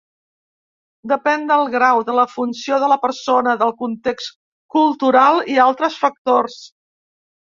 Depén del grau, de la funció de la persona, del context cultural i altres factors.